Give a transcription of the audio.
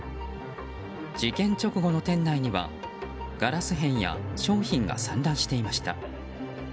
事件直後の店内には、ガラス片や商品が散乱していました。